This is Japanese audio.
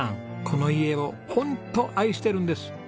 この家をホント愛してるんです。